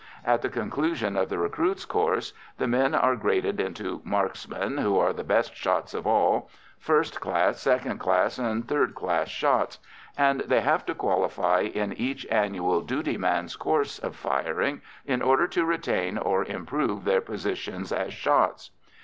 At the conclusion of the recruits' course, the men are graded into "marksmen," who are the best shots of all, first class, second class, and third class shots, and they have to qualify in each annual "duty man's" course of firing in order to retain or improve their positions as shots.